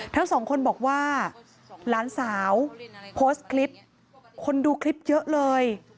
ทั้งสองคนบอกว่าหลานสาวโพสต์คลิปคนดูคลิปเยอะเลย